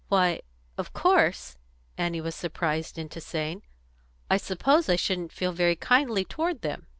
"Why, of course," Annie was surprised into saying, "I suppose I shouldn't feel very kindly toward them."